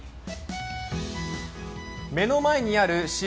目の前にある鹿